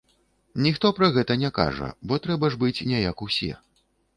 Ніхто пра гэта не кажа, бо трэба ж быць не як усе.